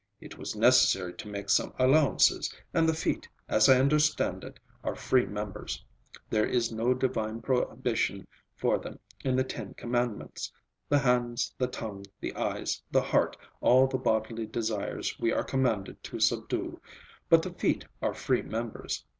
It was necessary to make some allowances; and the feet, as I understand it, are free members. There is no divine prohibition for them in the Ten Commandments. The hands, the tongue, the eyes, the heart, all the bodily desires we are commanded to subdue; but the feet are free members.